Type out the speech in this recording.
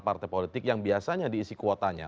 partai politik yang biasanya diisi kuotanya